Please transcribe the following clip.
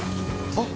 ・あっ！！